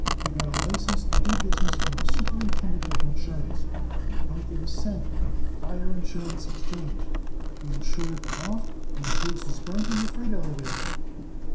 We got a license to do business from the Superintendent of Insurance, and we don't give a cent for the Fire Insurance Exchange. We insured it the loft, and the goods was burnt in the freight elevator."